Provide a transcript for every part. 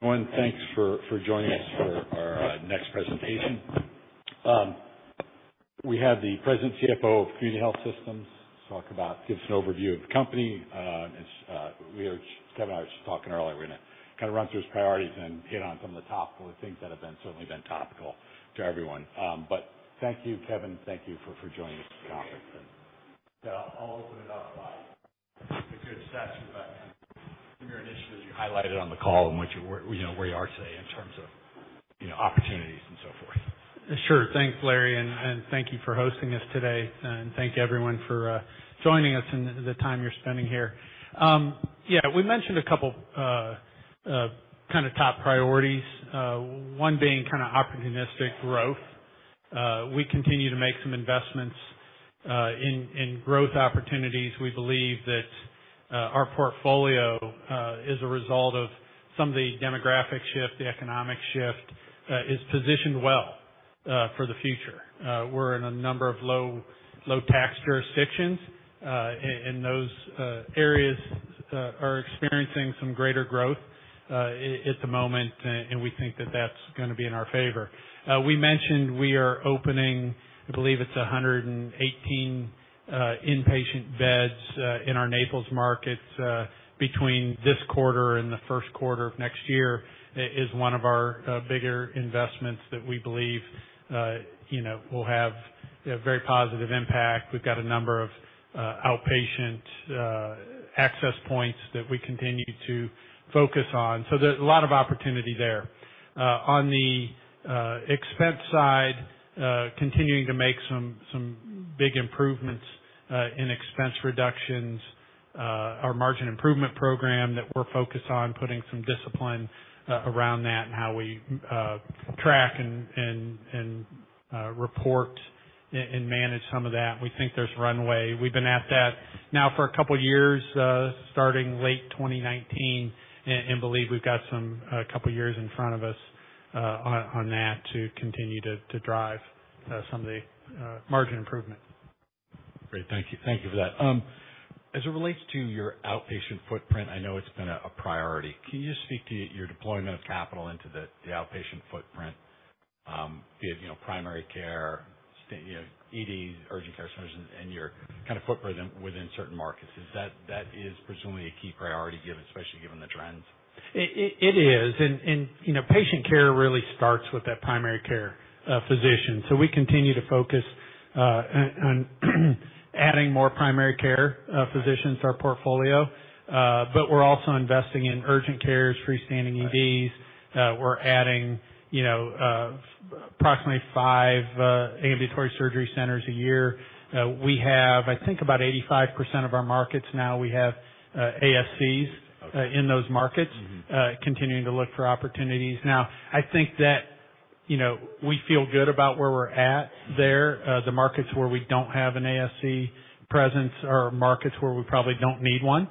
One, thanks for joining us for our next presentation. We have the President CFO of Community Health Systems to talk about, give us an overview of the company. Kevin and I were just talking earlier, we're gonna kind of run through his priorities and hit on some of the topical things that have been certainly been topical to everyone. Thank you, Kevin. Thank you for joining us this conference. I'll open it up by if you could just talk to me about some of your initiatives you highlighted on the call and what you're, you know, where you are today in terms of, you know, opportunities and so forth. Sure. Thanks, Larry, and thank you for hosting us today. Thank you everyone for joining us and the time you're spending here. Yeah, we mentioned a couple kind of top priorities, one being kinda opportunistic growth. We continue to make some investments in growth opportunities. We believe that our portfolio, as a result of some of the demographic shift, the economic shift, is positioned well for the future. We're in a number of low tax jurisdictions, and those areas are experiencing some greater growth at the moment, and we think that that's gonna be in our favor. We mentioned we are opening, I believe, it's 118 inpatient beds in our Naples markets between this quarter and the 1st quarter of next year is one of our bigger investments that we believe, you know, will have a very positive impact. We've got a number of outpatient access points that we continue to focus on. There's a lot of opportunity there. On the expense side, continuing to make some big improvements in expense reductions, our margin improvement program that we're focused on putting some discipline around that and how we track and report and manage some of that. We think there's runway. We've been at that now for two years, starting late 2019, and believe we've got some, a couple of years in front of us, on that to continue to drive, some of the margin improvement. Great. Thank you. Thank you for that. As it relates to your outpatient footprint, I know it's been a priority. Can you just speak to your deployment of capital into the outpatient footprint, be it, you know, primary care, you know, ED, urgent care centers, and your kind of footprint within certain markets? Is that presumably a key priority given, especially given the trends? It is, you know, patient care really starts with that primary care physician. We continue to focus on adding more primary care physicians to our portfolio. We're also investing in urgent cares, freestanding EDs. We're adding, you know, approximately five ambulatory surgery centers a year. We have, I think about 85% of our markets now, we have ASCs. Okay. In those markets. Mm-hmm. Continuing to look for opportunities. Now, I think that, you know, we feel good about where we're at there. The markets where we don't have an ASC presence are markets where we probably don't need one,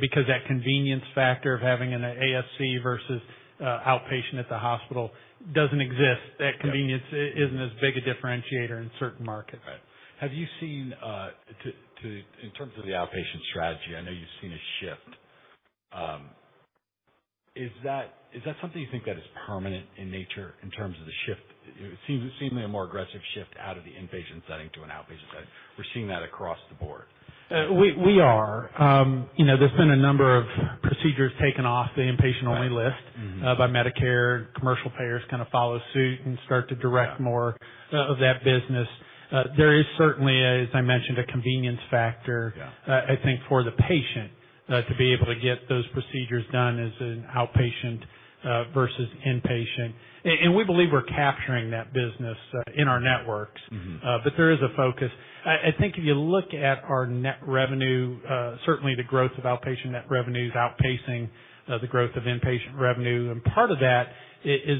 because that convenience factor of having an ASC versus outpatient at the hospital doesn't exist. Yeah. That convenience isn't as big a differentiator in certain markets. Right. Have you seen in terms of the outpatient strategy, I know you've seen a shift. Is that something you think that is permanent in nature in terms of the shift? It seems, seemingly a more aggressive shift out of the inpatient setting to an outpatient setting. We're seeing that across the board. We are. You know, there's been a number of procedures taken off the inpatient-only list. Right. Mm-hmm. By Medicare. Commercial payers kinda follow suit and start to direct more of that business. There is certainly, as I mentioned, a convenience factor- Yeah. I think for the patient to be able to get those procedures done as an outpatient versus inpatient. We believe we're capturing that business in our networks. Mm-hmm. There is a focus. I think if you look at our net revenue, certainly the growth of outpatient net revenue is outpacing, the growth of inpatient revenue. Part of that is,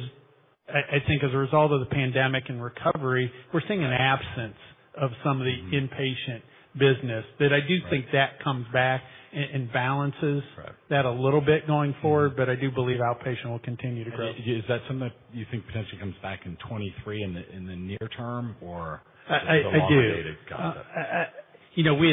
I think as a result of the pandemic and recovery, we're seeing an absence of some of the inpatient business. I do think that comes back and balances. Right. That a little bit going forward. Mm-hmm. I do believe outpatient will continue to grow. Is that something that you think potentially comes back in 2023, in the near term, or is it? I do. Dated concept? I, you know, we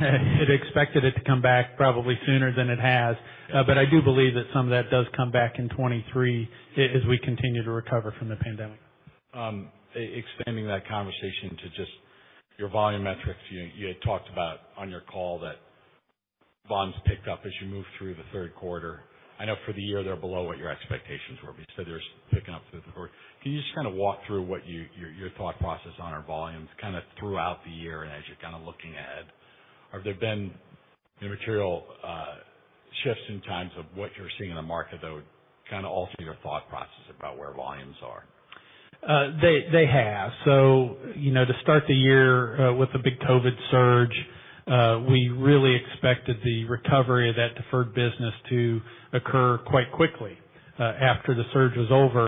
had expected it to come back probably sooner than it has. I do believe that some of that does come back in 2023 as we continue to recover from the pandemic. Expanding that conversation to just your volume metrics. You had talked about on your call that volumes picked up as you moved through the third quarter. I know for the year, they're below what your expectations were, but you said they were picking up through the quarter. Can you just kind of walk through what your thought process on our volumes kind of throughout the year and as you're kind of looking ahead? Have there been any material shifts in times of what you're seeing in the market that would kind of alter your thought process about where volumes are? They have. You know, to start the year, with a big COVID surge, we really expected the recovery of that deferred business to occur quite quickly, after the surge was over,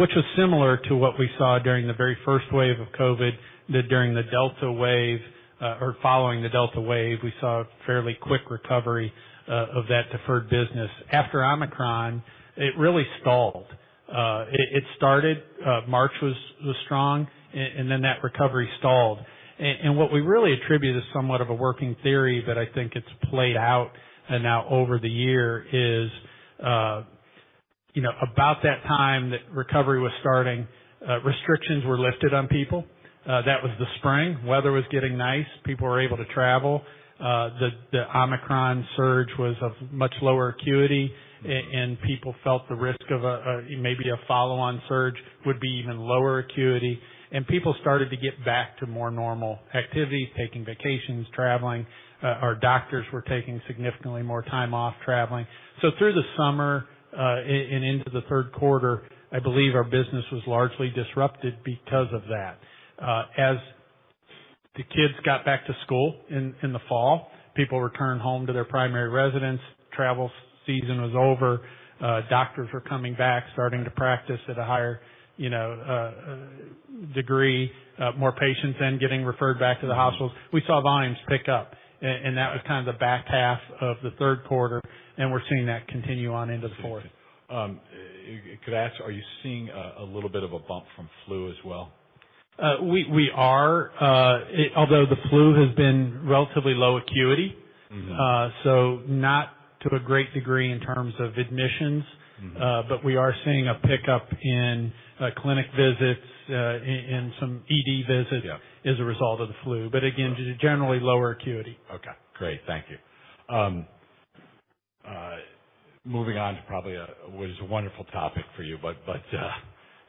which was similar to what we saw during the very first wave of COVID, that during the Delta wave, or following the Delta wave, we saw a fairly quick recovery of that deferred business. After Omicron, it really stalled. It started, March was strong and then that recovery stalled. What we really attribute is somewhat of a working theory that I think it's played out and now over the year is, you know, about that time that recovery was starting, restrictions were lifted on people, that was the spring. Weather was getting nice, people were able to travel. The Omicron surge was of much lower acuity, and people felt the risk of a maybe a follow-on surge would be even lower acuity. People started to get back to more normal activity, taking vacations, traveling. Our doctors were taking significantly more time off traveling. Through the summer, and into the third quarter, I believe our business was largely disrupted because of that. As the kids got back to school in the fall, people returned home to their primary residence. Travel season was over. Doctors were coming back, starting to practice at a higher, you know, degree, more patients then getting referred back to the hospitals. We saw volumes pick up and that was kind of the back half of the third quarter, and we're seeing that continue on into the fourth. Could I ask, are you seeing a little bit of a bump from flu as well? We are. Although the flu has been relatively low acuity. Mm-hmm. Not to a great degree in terms of admissions. Mm-hmm. We are seeing a pickup in clinic visits, in some ED visits. Yeah. As a result of the flu. Again, generally lower acuity. Okay, great. Thank you. Moving on to probably what is a wonderful topic for you,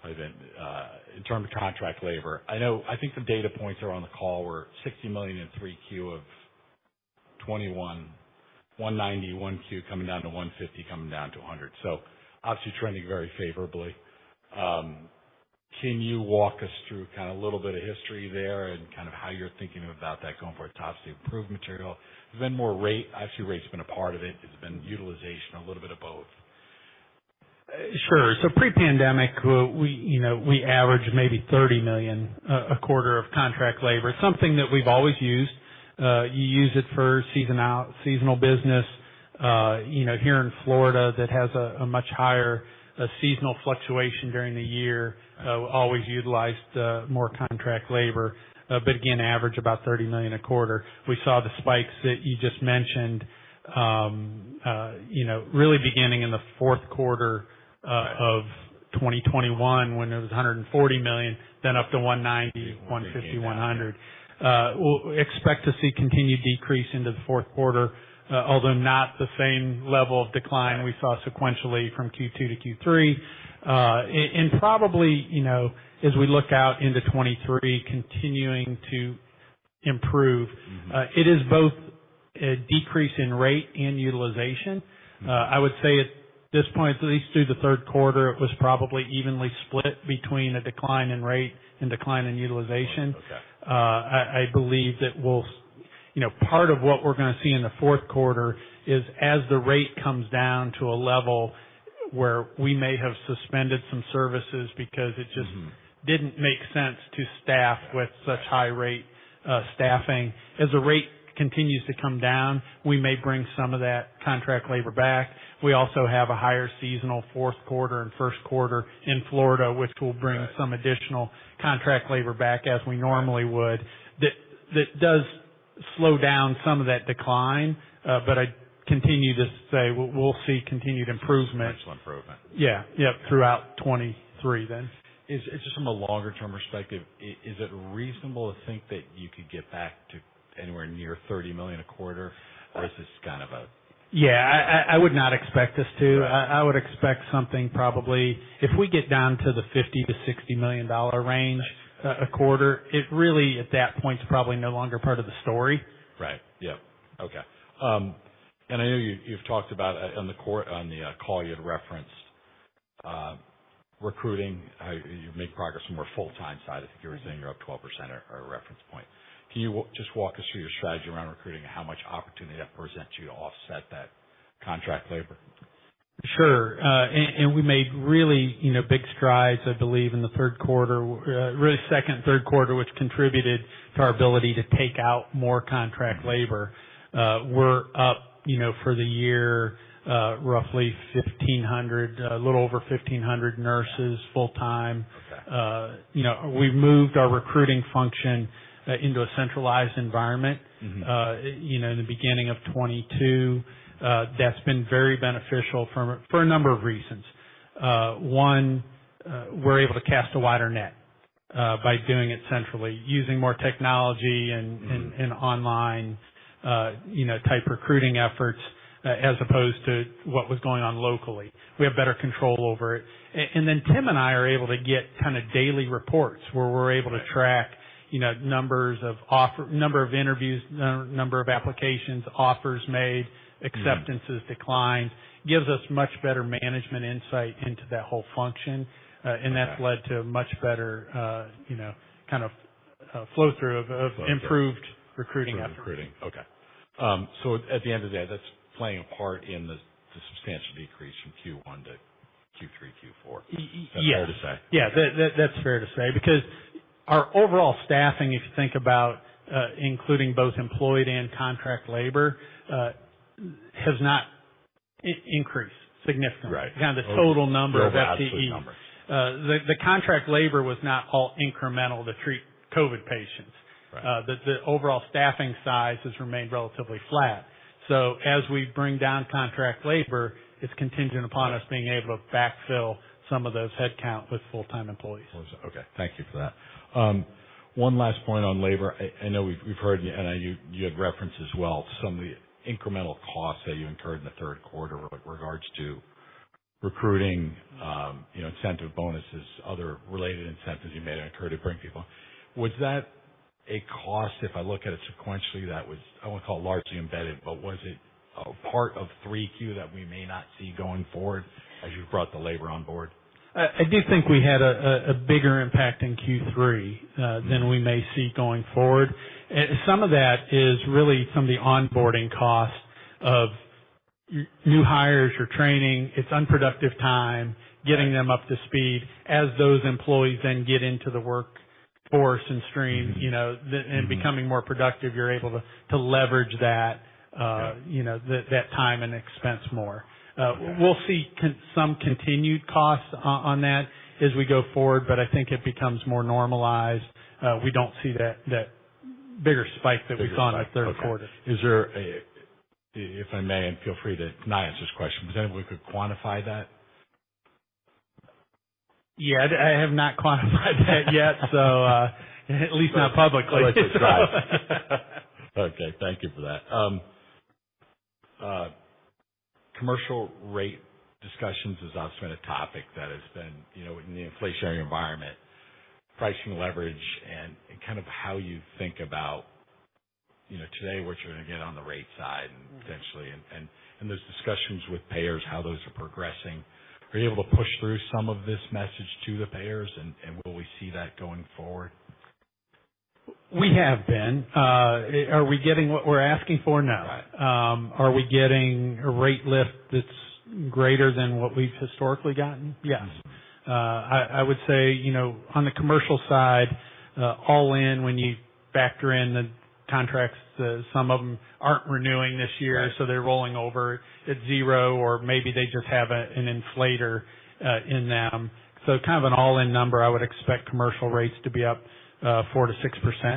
in terms of contract labor. I know I think the data points on the call were $60 million in 3Q of 2021, $190 million, 1Q coming down to $150 million, coming down to $100 million. Obviously trending very favorably. Can you walk us through kind of a little bit of history there and kind of how you're thinking about that going forward? Obviously, improved material, then more rate. Actually, rate's been a part of it. It's been utilization, a little bit of both. Sure. Pre-pandemic, we, you know, we average maybe $30 million a quarter of contract labor. It's something that we've always used. You use it for seasonal business. You know, here in Florida, that has a much higher seasonal fluctuation during the year, always utilized more contract labor. Again, average about $30 million a quarter. We saw the spikes that you just mentioned, you know, really beginning in the fourth quarter. Right. Of 2021, when it was $140 million, then up to $190 million, $150 million, $100 million. We'll expect to see continued decrease into the fourth quarter, although not the same level of decline we saw sequentially from Q2 to Q3. Probably, you know, as we look out into 2023 continuing to improve. Mm-hmm. It is both a decrease in rate and utilization. Mm-hmm. I would say at this point, at least through the third quarter, it was probably evenly split between a decline in rate and decline in utilization. Okay. I believe that we'll, you know, part of what we're gonna see in the fourth quarter is as the rate comes down to a level where we may have suspended some services because. Mm-hmm. It just didn't make sense to staff with such high rate, staffing. As the rate continues to come down, we may bring some of that contract labor back. We also have a higher seasonal fourth quarter and first quarter in Florida, which will bring some additional contract labor back as we normally would. That does slow down some of that decline. I continue to say we'll see continued improvement. Substantial improvement. Yeah. Yeah. Throughout 2023 then. Just from a longer term perspective, is it reasonable to think that you could get back to anywhere near $30 million a quarter? Or is this kind of a. Yeah, I would not expect us to. Right. I would expect something probably if we get down to the $50 million-$60 million range a quarter, it really, at that point, is probably no longer part of the story. Right. Yeah. Okay. I know you've talked about on the call, you had referenced, recruiting. You've made progress from a full-time side. I think you were saying you're up 12% as a reference point. Can you just walk us through your strategy around recruiting and how much opportunity that presents you to offset that contract labor? Sure. We made really, you know, big strides, I believe, in the third quarter, really second and third quarter, which contributed to our ability to take out more contract labor. We're up, you know, for the year, roughly 1,500, a little over 1,500 nurses full-time. Okay. You know, we've moved our recruiting function, into a centralized environment. Mm-hmm. You know, in the beginning of 2022. That's been very beneficial for a number of reasons. One, we're able to cast a wider net, by doing it centrally, using more technology and online, you know, type recruiting efforts, as opposed to what was going on locally. We have better control over it. Tim and I are able to get kinda daily reports where we're able to track, you know, numbers of offer, number of interviews, number of applications, offers made. Mm-hmm. Acceptances declined. Gives us much better management insight into that whole function. That's led to much better, you know, kind of, flow through of improved recruiting efforts. Recruiting. Okay. At the end of the day, that's playing a part in the substantial decrease from Q1 to Q3, Q4. Ye-ye-yes. Is that fair to say? Yeah. That's fair to say because. Our overall staffing, if you think about, including both employed and contract labor, has not increased significantly. Right. Kind of the total number of FTE. Total absolute number. The contract labor was not all incremental to treat COVID patients. Right. The overall staffing size has remained relatively flat. As we bring down contract labor, it's contingent upon us being able to backfill some of those headcount with full-time employees. Okay. Thank you for that. one last point on labor. I know we've heard, and you had referenced as well some of the incremental costs that you incurred in the third quarter with regards to recruiting, you know, incentive bonuses, other related incentives you made occur to bring people. Was that a cost, if I look at it sequentially, that was, I won't call it largely embedded, but was it a part of 3Q that we may not see going forward as you brought the labor on board? I do think we had a bigger impact in Q3 than we may see going forward. Some of that is really some of the onboarding costs of new hires. You're training, it's unproductive time, getting them up to speed. As those employees then get into the workforce and stream, you know, and becoming more productive, you're able to leverage that, you know, that time and expense more. We'll see some continued costs on that as we go forward, but I think it becomes more normalized. We don't see that bigger spike that we saw in the third quarter. Is there a, if I may, and feel free to not answer this question, but anybody could quantify that? Yeah, I have not quantified that yet, so, at least not publicly. Okay, thank you for that. Commercial rate discussions has also been a topic that has been, you know, in the inflationary environment, pricing leverage and kind of how you think about, you know, today, what you're gonna get on the rate side and potentially, and those discussions with payers, how those are progressing. Are you able to push through some of this message to the payers, and will we see that going forward? We have been. Are we getting what we're asking for? No. Right. Are we getting a rate lift that's greater than what we've historically gotten? Yes. I would say, you know, on the commercial side, all in, when you factor in the contracts, some of them aren't renewing this year. Right. They're rolling over at zero, or maybe they just have an inflator in them. Kind of an all-in number, I would expect commercial rates to be up 4%-6%.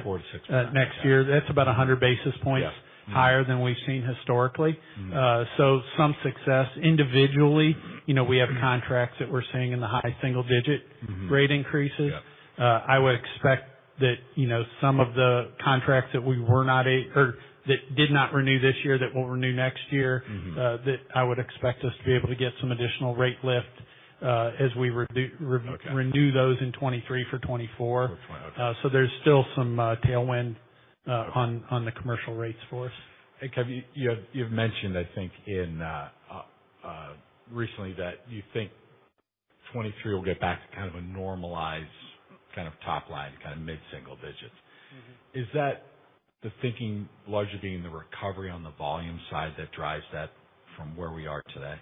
4%-6%. Next year. That's about 100 basis points. Yeah. Higher than we've seen historically. Mm-hmm. Some success individually. You know, we have contracts that we're seeing in the high single digit rate increases. Yeah. I would expect that, you know, some of the contracts that or that did not renew this year, that will renew next year. Mm-hmm. That I would expect us to be able to get some additional rate lift, as we. Okay. Renew those in 2023 for 2024. Okay. There's still some tailwind on the commercial rates for us. Kevin, you've mentioned, I think, in recently that you think 2023 will get back to kind of a normalized kind of top line, kind of mid-single digits. Mm-hmm. Is that the thinking largely being the recovery on the volume side that drives that from where we are today?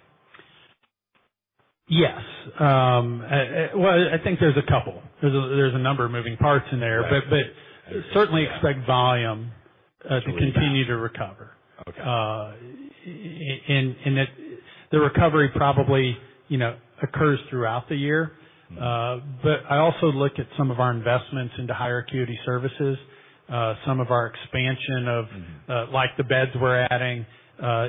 Yes. well, I think there's a couple. There's a number of moving parts in there. Right. Certainly expect volume to continue to recover. Okay. That the recovery probably, you know, occurs throughout the year. I also look at some of our investments into higher acuity services, some of our expansion of, like the beds we're adding,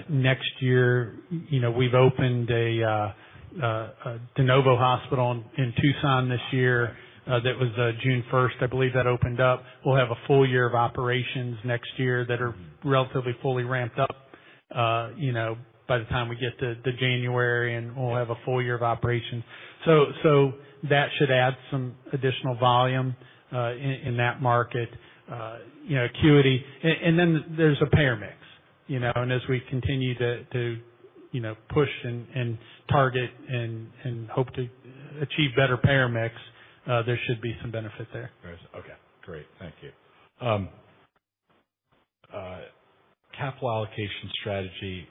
next year. You know, we've opened a de novo hospital in Tucson this year. That was June first, I believe, that opened up. We'll have a full year of operations next year that are relatively fully ramped up, you know, by the time we get to January, and we'll have a full year of operation. That should add some additional volume in that market, you know, acuity. Then there's a payer mix, you know, and as we continue to, you know, push and target and hope to achieve better payer mix, there should be some benefit there. Okay, great. Thank you. Capital allocation strategy,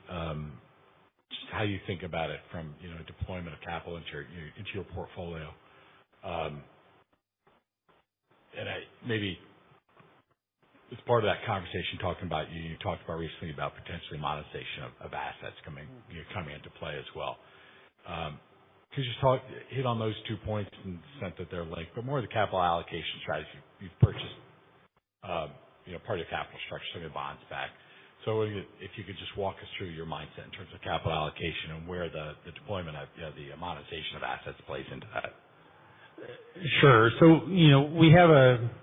just how you think about it from, you know, deployment of capital into your portfolio. Maybe as part of that conversation, talking about you talked about recently about potentially monetization of assets coming into play as well. Could you just hit on those two points in the sense that they're linked, but more the capital allocation strategy. You've purchased, you know, part of your capital structure, some of your bonds back. If you could just walk us through your mindset in terms of capital allocation and where the deployment of, you know, the monetization of assets plays into that? Sure. you know, we have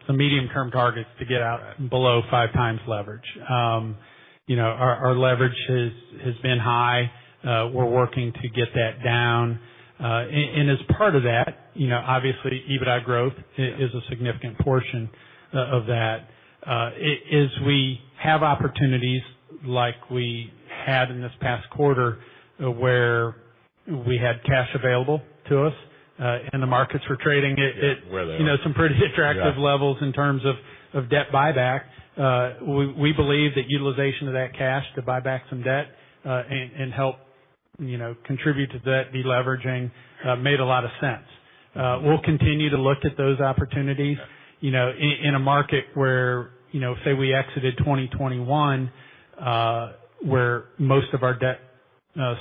some medium-term targets to get out below 5x leverage. you know, our leverage has been high. we're working to get that down. as part of that, you know, obviously, EBITDA growth is a significant portion of that. as we have opportunities like we had in this past quarter, where we had cash available to us, and the markets were trading at. Where they are. You know, some pretty attractive levels in terms of debt buyback, we believe that utilization of that cash to buy back some debt, and help you know, contribute to debt deleveraging made a lot of sense. We'll continue to look at those opportunities, you know, in a market where, you know, say we exited 2021, where most of our debt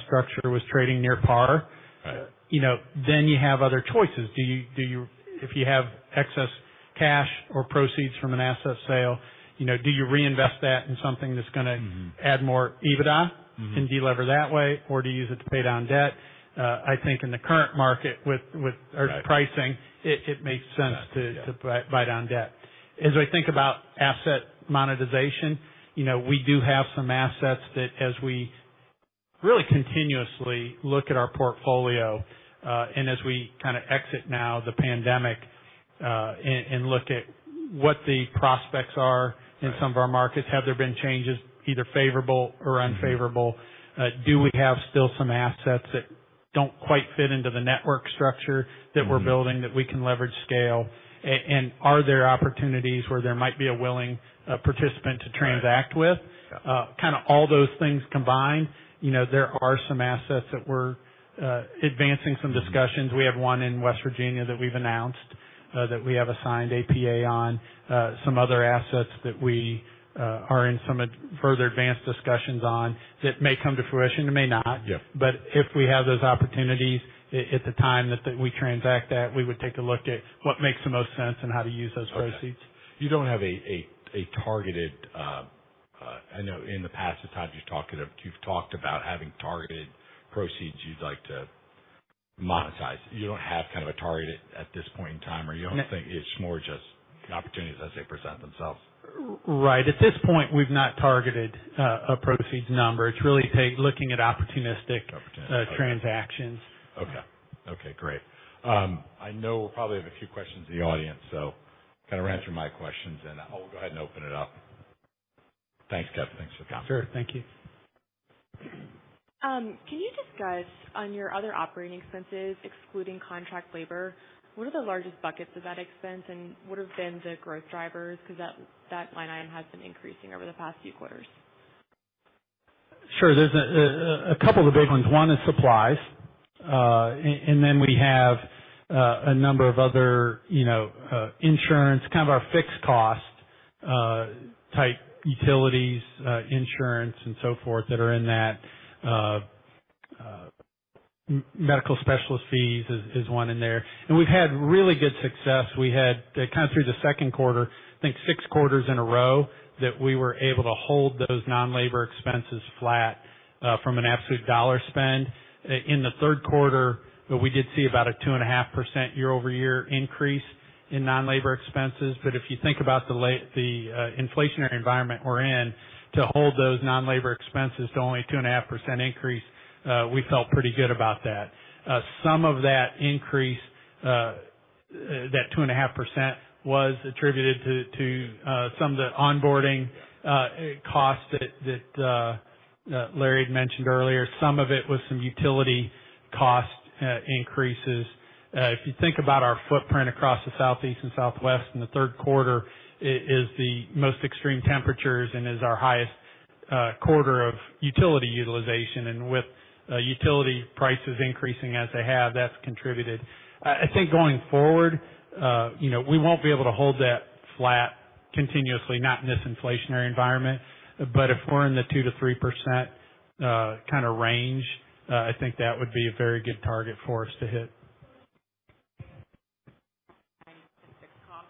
structure was trading near par. Right. You know, then you have other choices. Do you if you have excess cash or proceeds from an asset sale, you know, do you reinvest that in something that's gonna. Mm-hmm. Add more EBITDA. Mm-hmm. Delever that way, or do you use it to pay down debt? I think in the current market with. Right. Our pricing, it makes sense to. Yeah. To bite on debt. As I think about asset monetization, you know, we do have some assets that as I really continuously look at our portfolio, and as we kinda exit now the pandemic, and look at what the prospects are. Right. In some of our markets, have there been changes either favorable or unfavorable? Mm-hmm. Do we have still some assets that don't quite fit into the network structure? Mm-hmm. That we're building that we can leverage scale? Are there opportunities where there might be a willing, participant to transact with? Right. Yeah. Kinda all those things combined, you know, there are some assets that we're advancing some discussions. Mm-hmm. We have one in West Virginia that we've announced, that we have a signed APA on. Some other assets that we are in some further advanced discussions on that may come to fruition and may not. Yeah. If we have those opportunities at the time that we transact that, we would take a look at what makes the most sense and how to use those proceeds. Okay. You don't have a targeted, I know in the past, the times you've talked about having targeted proceeds you'd like to monetize. You don't have kind of a target at this point in time, or you don't think? No. It's more just opportunities as they present themselves. Right. At this point, we've not targeted a proceeds number. It's really looking at opportunistic. Opportunistic, okay. Transactions. Okay. Okay, great. I know we'll probably have a few questions in the audience, so kinda ran through my questions, and I'll go ahead and open it up. Thanks, Kev. Thanks for coming. Sure. Thank you. Can you discuss on your other operating expenses, excluding contract labor, what are the largest buckets of that expense and what have been the growth drivers? That line item has been increasing over the past few quarters. Sure. There's a couple of the big ones. One is supplies. We have a number of other, you know, insurance, kind of our fixed cost, type utilities, insurance and so forth, that are in that. Medical specialist fees is one in there. We've had really good success. We had, kinda through the second quarter, I think six quarters in a row that we were able to hold those non-labor expenses flat, from an absolute dollar spend. In the third quarter, we did see about a 2.5% year-over-year increase in non-labor expenses, if you think about the inflationary environment we're in, to hold those non-labor expenses to only 2.5% increase, we felt pretty good about that. Some of that increase, that 2.5% was attributed to some of the onboarding costs that Larry had mentioned earlier. Some of it was some utility cost increases. If you think about our footprint across the Southeast and Southwest in the third quarter is the most extreme temperatures and is our highest quarter of utility utilization. With utility prices increasing as they have, that's contributed. I think going forward, you know, we won't be able to hold that flat continuously, not in this inflationary environment. If we're in the 2%-3% kinda range, I think that would be a very good target for us to hit. Is it cost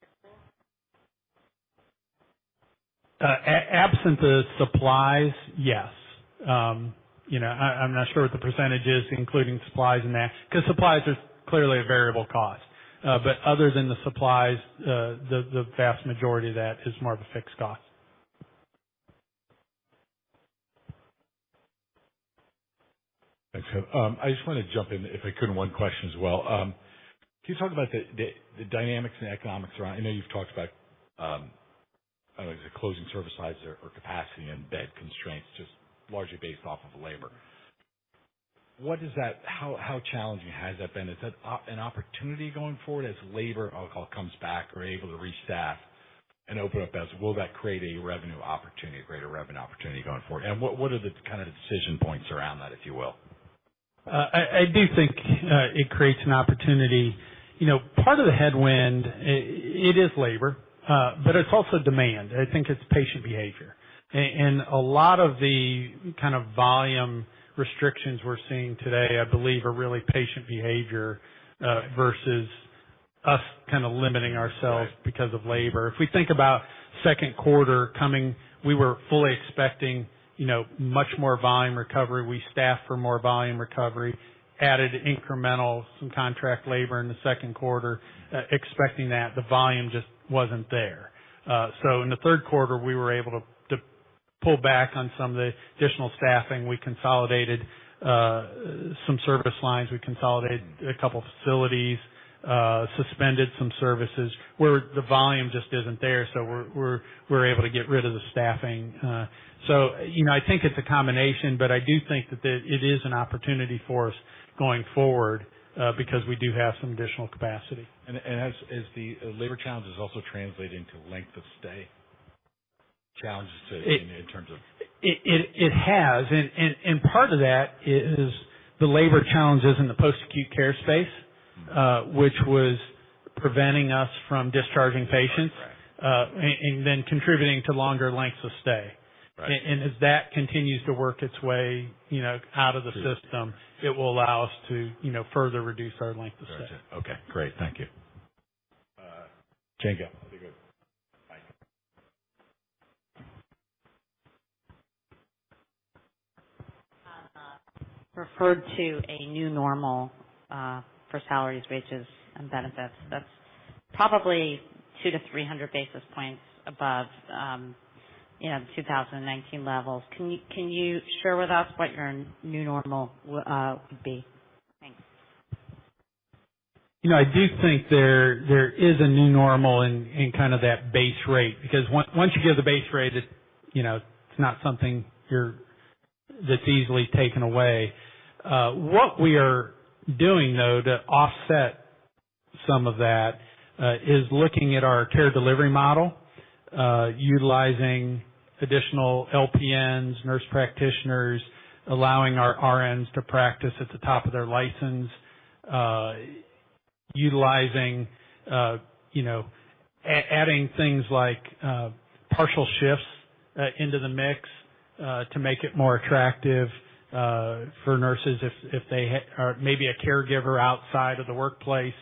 fixed costs? Absent the supplies, yes. You know, I'm not sure what the percentage is including supplies in that, 'cause supplies are clearly a variable cost. Other than the supplies, the vast majority of that is more of a fixed cost. Thanks, Kev. I just wanna jump in, if I could, one question as well. Can you talk about the dynamics and economics around, I know you've talked about, I know it's closing service lines or capacity and bed constraints just largely based off of labor. How challenging has that been? Is that an opportunity going forward as labor, I'll call, comes back or able to restaff and open up beds? Will that create a revenue opportunity, a greater revenue opportunity going forward? What are the, kinda the decision points around that, if you will? I do think it creates an opportunity. You know, part of the headwind, it is labor, but it's also demand. I think it's patient behavior. A lot of the kind of volume restrictions we're seeing today, I believe are really patient behavior, versus us kinda limiting ourselves. Right. Because of labor. If we think about second quarter coming, we were fully expecting, you know, much more volume recovery. We staffed for more volume recovery, added incremental, some contract labor in the second quarter, expecting that. The volume just wasn't there. In the third quarter, we were able to pull back on some of the additional staffing. We consolidated some service lines. We consolidated a couple facilities, suspended some services where the volume just isn't there, so we're able to get rid of the staffing. You know, I think it's a combination, but I do think that it is an opportunity for us going forward, because we do have some additional capacity. Is the labor challenges also translating to length of stay? In, in terms of. It has. Part of that is the labor challenges in the post-acute care space, which was preventing us from discharging patients. Right. Then contributing to longer lengths of stay. Right. As that continues to work its way, you know, out of the system. Sure. It will allow us to, you know, further reduce our length of stay. Gotcha. Okay, great. Thank you. Jenga, pretty good. Bye. Referred to a new normal for salaries, wages, and benefits, that's probably 200-300 basis points above, you know, 2019 levels. Can you share with us what your new normal would be? Thanks. You know, I do think there is a new normal in kind of that base rate, because once you give the base rate, it's, you know, it's not something that's easily taken away. What we are doing though, to offset some of that, is looking at our care delivery model, utilizing additional LPNs, nurse practitioners, allowing our RNs to practice at the top of their license, utilizing, you know, adding things like partial shifts into the mix to make it more attractive for nurses if they or maybe a caregiver outside of the workplace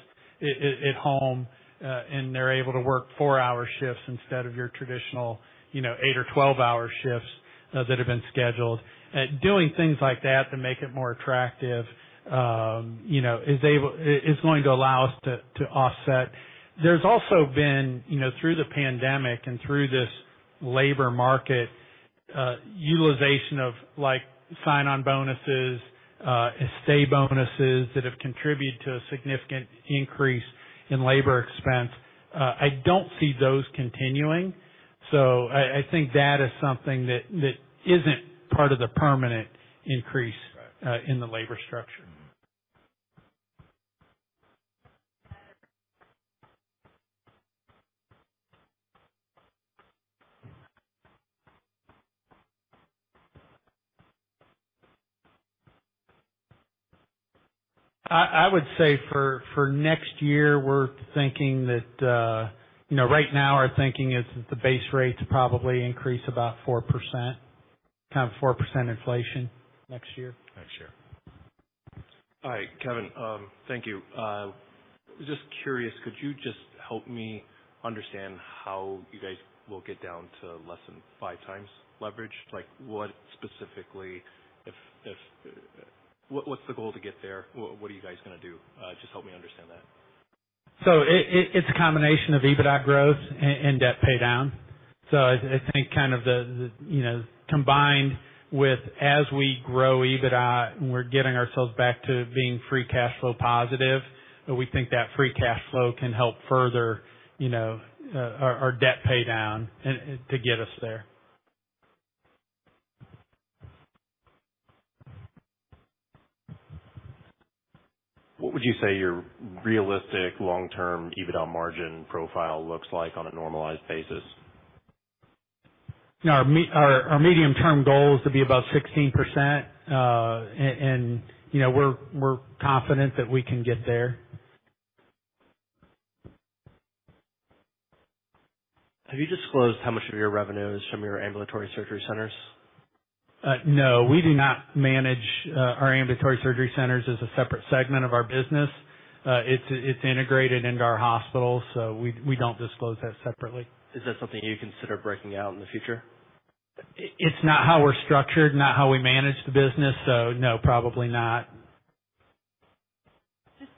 at home, and they're able to work four-hour shifts instead of your traditional, you know, eight or 12-hour shifts that have been scheduled. Doing things like that to make it more attractive, you know, is going to allow us to offset. There's also been, you know, through the pandemic and through this labor market, utilization of, like, sign-on bonuses, stay bonuses that have contributed to a significant increase in labor expense. I don't see those continuing, so I think that is something that isn't part of the permanent increase. Right. In the labor structure. Mm-hmm. I would say for next year, we're thinking that, you know, right now our thinking is that the base rates probably increase about 4%, kind of 4% inflation next year. Next year. All right. Kevin, thank you. Just curious, could you just help me understand how you guys will get down to less than 5x leverage? Like, what specifically if, what's the goal to get there? What are you guys gonna do? Just help me understand that. It's a combination of EBITDA growth and debt pay down. I think kind of the, you know, combined with as we grow EBITDA and we're getting ourselves back to being free cash flow positive, we think that free cash flow can help further, you know, our debt pay down and, to get us there. What would you say your realistic long-term EBITDA margin profile looks like on a normalized basis? Our medium-term goal is to be about 16%. You know, we're confident that we can get there. Have you disclosed how much of your revenue is from your ambulatory surgery centers? No. We do not manage our ambulatory surgery centers as a separate segment of our business. It's integrated into our hospitals, so we don't disclose that separately. Is that something you consider breaking out in the future? It's not how we're structured, not how we manage the business, so no, probably not.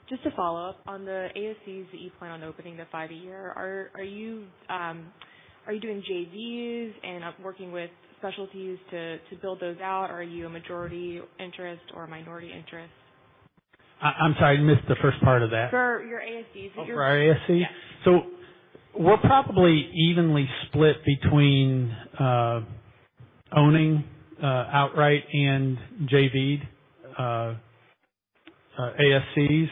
Just to follow up. On the ASCs that you plan on opening, the five a year, are you doing JVs and working with specialties to build those out, or are you a majority interest or minority interest? I'm sorry, I missed the first part of that. For your ASCs? Oh, for our ASC? Yes. We're probably evenly split between owning outright and JVed ASCs.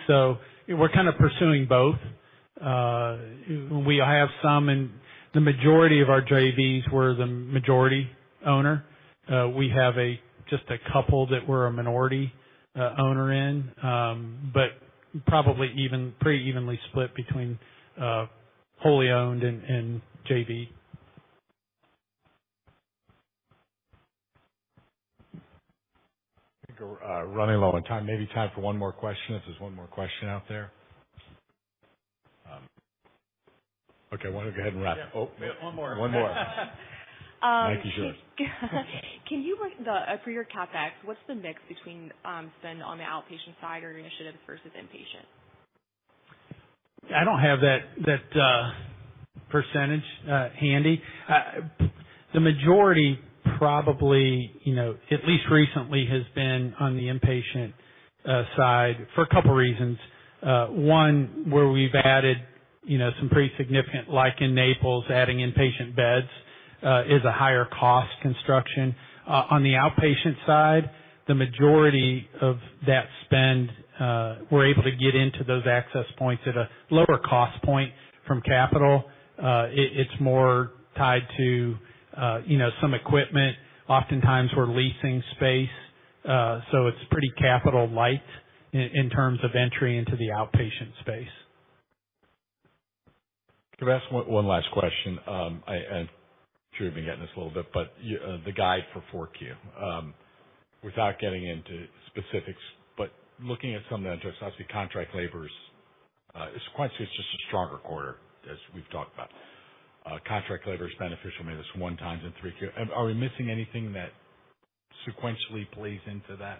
We're kind of pursuing both. We have some in the majority of our JVs, we're the majority owner. We have just a couple that we're a minority owner in, but probably even, pretty evenly split between wholly owned and JV. I think we're running low on time. Maybe time for one more question if there's one more question out there. Okay, why don't we go ahead and wrap. Yeah. Oh. One more. One more. Nike shirt. Can you for your CapEx, what's the mix between spend on the outpatient side or initiatives versus inpatient? I don't have that percentage handy. The majority probably, you know, at least recently, has been on the inpatient side for a couple reasons. One, where we've added, you know, some pretty significant, like in Naples, adding inpatient beds, is a higher cost construction. On the outpatient side, the majority of that spend, we're able to get into those access points at a lower cost point from capital. It, it's more tied to, you know, some equipment. Oftentimes, we're leasing space, so it's pretty capital light in terms of entry into the outpatient space. Can I ask one last question? I'm sure you've been getting this a little bit, the guide for 4Q. Without getting into specifics, looking at some of the intricacies, contract labor's sequentially it's just a stronger quarter, as we've talked about. Contract labor is beneficial, I mean, it's 1x in 3Q. Are we missing anything that sequentially plays into that?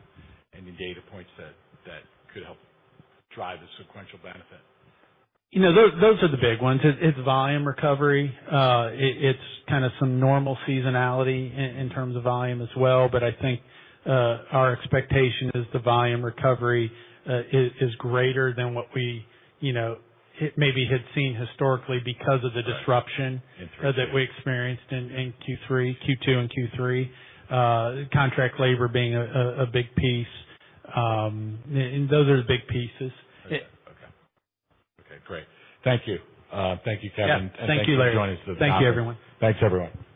Any data points that could help drive the sequential benefit? You know, those are the big ones. It's volume recovery. It's kinda some normal seasonality in terms of volume as well. I think our expectation is the volume recovery is greater than what we, you know, maybe had seen historically because of the disruption. Right. In 3Q. That we experienced in Q3, Q2 and Q3. Contract labor being a big piece. Those are the big pieces. Okay. Okay. Okay, great. Thank you. Thank you, Kevin. Yeah. Thank you, Larry. Thank you for joining us for the conference. Thank you, everyone. Thanks, everyone.